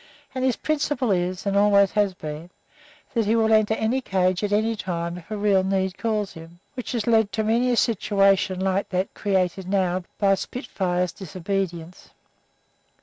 And his principle is, and always has been, that he will enter any cage at any time if a real need calls him which has led to many a situation like that created now by Spitfire's disobedience.